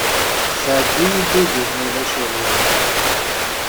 Sɛeddi-yi-d udi, ma ulac aɣilif.